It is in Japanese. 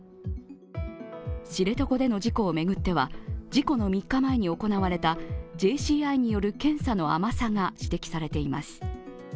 知床での事故を巡っては事故の３日前に行われたＪＣＩによる検査の甘さが指摘されています。